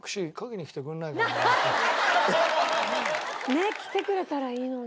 ねえ来てくれたらいいのに。